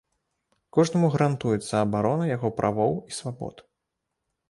Кожнаму гарантуецца абарона яго правоў і свабод.